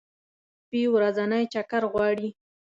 سپي ورځنی چکر غواړي.